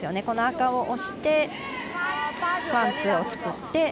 この赤を押してワン、ツーを作って。